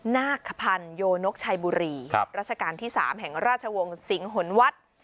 นาคพันโยนกชัยบุรีครับราชการที่สามแห่งราชวงศ์สิงหลวัฒน์